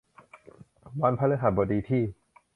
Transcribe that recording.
วันพฤหัสบดีที่